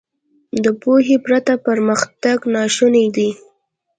• د پوهې پرته پرمختګ ناشونی دی.